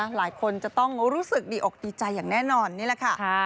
หลายคนจะต้องรู้สึกดีอกดีใจอย่างแน่นอนนี่แหละค่ะ